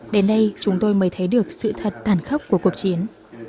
đến nay chúng tôi mới thấy được sự thật tàn khốc của cuộc chiến